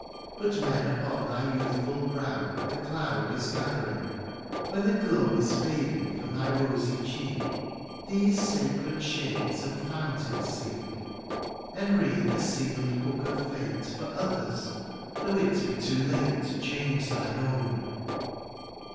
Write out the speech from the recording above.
'' But when, upon thy youthful brow, '' The cloud is gathering, when the glow " Is fading from thy rosy cheek, ^' These sacred shades and fountains seek, " And read the sealed book of fate " For others, though it be too late '*To change thine own.